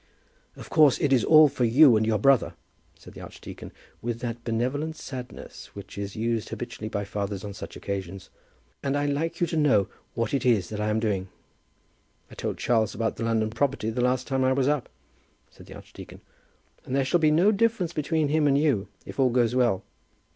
"Of course it is all for you and your brother," said the archdeacon, with that benevolent sadness which is used habitually by fathers on such occasions; "and I like you to know what it is that I am doing. I told Charles about the London property the last time I was up," said the archdeacon, "and there shall be no difference between him and you, if all goes well."